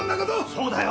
そうだよ。